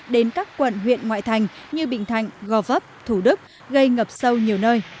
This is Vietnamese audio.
đến các quận huyện ngoại thành như bình thạnh gò vấp thủ đức gây ngập sâu nhiều nơi